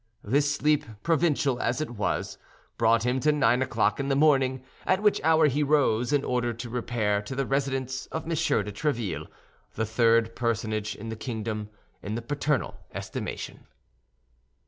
This sleep, provincial as it was, brought him to nine o'clock in the morning; at which hour he rose, in order to repair to the residence of M. de Tréville, the third personage in the kingdom, in the paternal estimation.